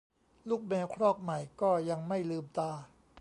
ลูกแมวครอกใหม่ก็ยังไม่ลืมตา